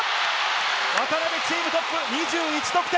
渡邊、チームトップ２１得点。